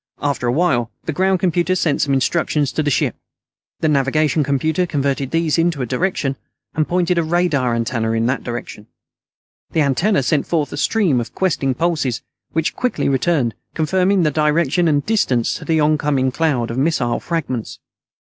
After a while, the ground computer sent some instructions to the ship. The navigation computer converted these into a direction, and pointed a radar antenna in that direction. The antenna sent forth a stream of questing pulses, which quickly returned, confirming the direction and distance to the oncoming cloud of missile fragments.